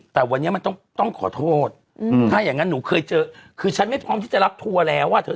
แต่วันนี้มันต้องต้องขอโทษถ้าอย่างงั้นหนูเคยเจอคือฉันไม่พร้อมที่จะรับทัวร์แล้วอ่ะเธอ